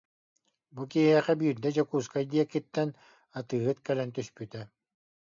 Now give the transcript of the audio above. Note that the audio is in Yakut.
Бу киһиэхэ биирдэ Дьокуускай диэкиттэн атыыһыт кэлэн түспүтэ